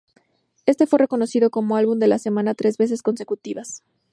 Éste fue reconocido como "Álbum de la Semana" tres veces consecutivas.